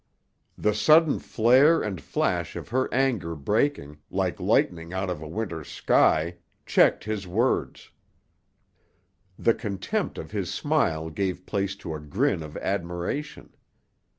The sudden flare and flash of her anger breaking, like lightning out of a Winter's sky, checked his words. The contempt of his smile gave place to a grin of admiration.